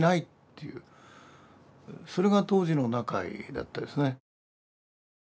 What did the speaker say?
それが当時の中井だったですね。